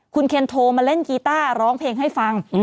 คุณเคนโทรมาเล่นกีต้าร้องเพลงให้ฟัง